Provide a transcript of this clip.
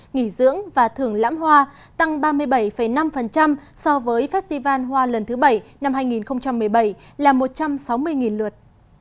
nghỉ dưỡng và thưởng lãm hoa tăng ba mươi bảy năm so với festival hoa lần thứ bảy năm hai nghìn một mươi bảy là một trăm sáu mươi lượt